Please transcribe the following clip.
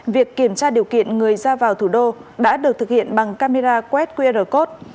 việc kiểm tra điều kiện người ra vào thủ đô đã được thực hiện bằng camera quét qr code